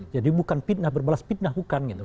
jadi bukan fitnah berbalas fitnah bukan gitu